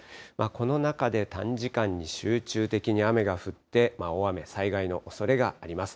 この中で短時間に集中的に雨が降って、大雨、災害のおそれがあります。